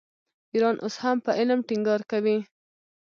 ایران اوس هم په علم ټینګار کوي.